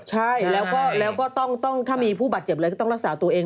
ใช่แล้วก็ถ้ามีผู้บัตรเจ็บเลยก็ต้องรักษาตัวเอง